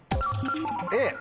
Ａ。